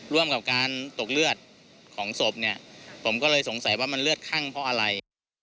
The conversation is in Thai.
ร่วมกับการตกเลือดของศพเนี่ยผมก็เลยสงสัยว่ามันเลือดคั่งเพราะอะไร